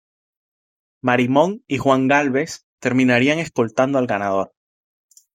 Marimón y Juan Gálvez terminarían escoltando al ganador.